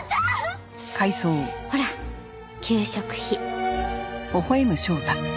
ほら給食費。